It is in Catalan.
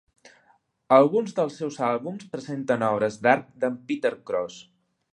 Alguns dels seus àlbums presenten obres d'art de Peter Cross.